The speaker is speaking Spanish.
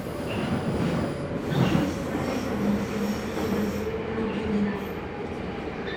No se dispone de información sobre su longevidad.